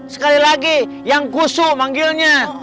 sekali lagi yang kusuk manggilnya